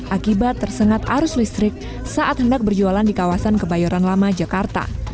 akibat tersengat arus listrik saat hendak berjualan di kawasan kebayoran lama jakarta